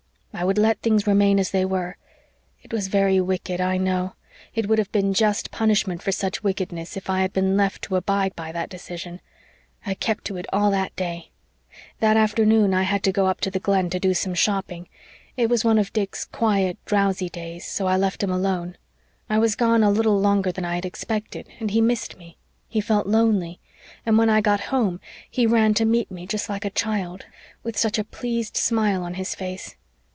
I would let things remain as they were. It was very wicked, I know. It would have been just punishment for such wickedness if I had just been left to abide by that decision. I kept to it all day. That afternoon I had to go up to the Glen to do some shopping. It was one of Dick's quiet, drowsy days, so I left him alone. I was gone a little longer than I had expected, and he missed me. He felt lonely. And when I got home, he ran to meet me just like a child, with such a pleased smile on his face.